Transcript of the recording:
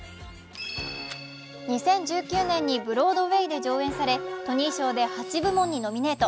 ２０１９年にブロードウェイで上演されトニー賞で８部門にノミネート。